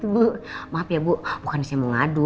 bu maaf ya bu bukan saya mau ngadu